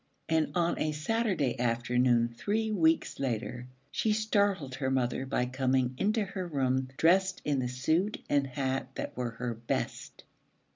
And on a Saturday afternoon three weeks later she startled her mother by coming into her room dressed in the suit and hat that were her 'best.'